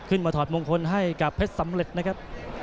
ถอดมงคลให้กับเพชรสำเร็จนะครับ